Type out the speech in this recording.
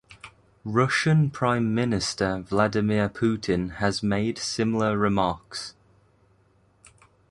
Russian Prime Minister Vladimir Putin has made similar remarks.